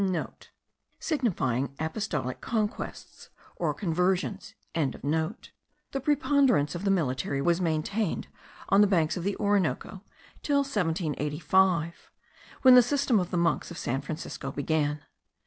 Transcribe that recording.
*(* Signifying apostolic conquests or conversions.) The preponderance of the military was maintained on the banks of the Orinoco till 1785, when the system of the monks of San Francisco began.